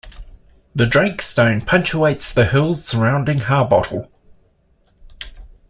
The Drake Stone punctuates the hills surrounding Harbottle.